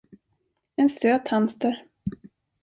En söt hamster.